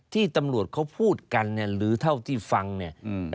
ที่ตำรวจเขาพูดกันเนี่ยหรือเท่าที่ฟังเนี่ย